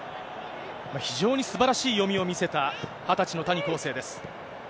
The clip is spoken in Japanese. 非常にすばらしい読みを見せた、２０歳の谷晃生です。